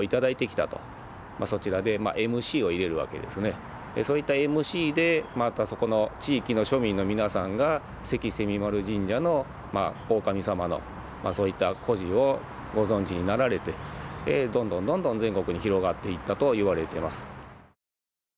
そちらでそういったＭＣでまたそこの地域の庶民の皆さんが関蝉丸神社の大神さまのそういった故事をご存じになられてどんどんどんどん全国に広がっていったと言われてます。